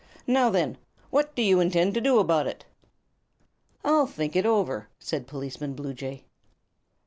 Now, then, what do you intend to do about it?" "I'll think it over," said Policeman Bluejay.